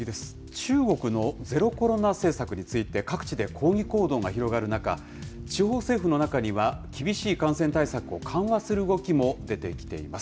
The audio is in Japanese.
中国のゼロコロナ政策について、各地で抗議行動が広がる中、地方政府の中には、厳しい感染対策を緩和する動きも出てきています。